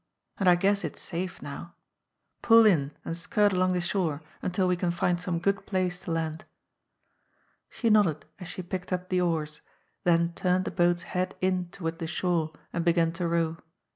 And I guess it's safe now. Pull in and skirt along the shore until we can find some good place to land." She nodded as she picked up the oars, then turned the boat's head in toward the shore and began to row.